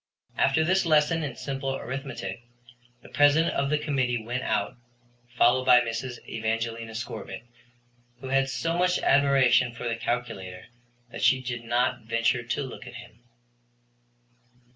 After this lesson in simple arithmetic the President of the Committee went out, followed by Mrs. Evangelina Scorbitt, who had so much admiration for the calculator that she did not venture to look at him.